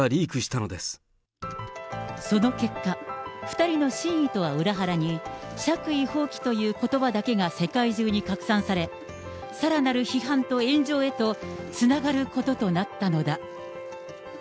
その結果、２人の真意とは裏腹に、爵位放棄ということばだけが世界中に拡散され、さらなる批判と炎上へとつながることとなったのだ。